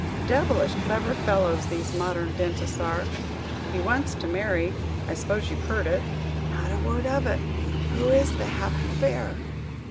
Devilish clever fellows these modern dentists are! He wants to marry; I suppose you 've heard it." "Not a word of it. Who is the happy fair?"